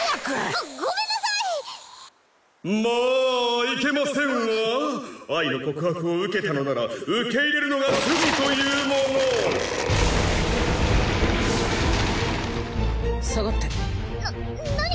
まあいけませんわ愛の告白を受けたのなら受け入れるのが筋というもの下がってな何？